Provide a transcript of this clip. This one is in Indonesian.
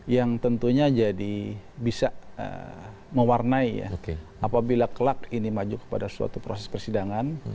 yang tentunya jadi bisa mewarnai ya apabila kelak ini maju kepada suatu proses persidangan